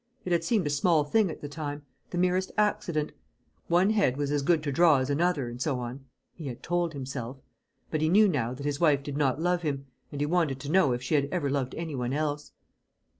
It had seemed a small thing at the time the merest accident; one head was as good to draw as another, and so on he had told himself; but he knew now that his wife did not love him, and he wanted to know if she had ever loved any one else.